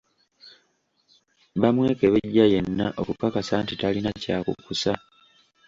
Bamwekebejja yenna okukakasa nti talina kyakukusa.